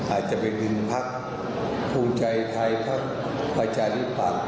อาจจะเป็นหนึ่งภาคภูมิใจไทยภาคประชาฬิปรักษณ์